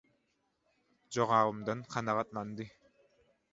Jogabymdan kanagatlandy.